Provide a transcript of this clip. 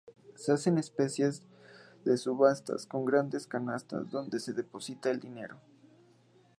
Se hacen especies de subastas, con grandes canastas donde se deposita el dinero.